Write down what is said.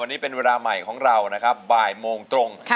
วันนี้เป็นเวลาใหม่ของเรานะครับบ่ายโมงตรง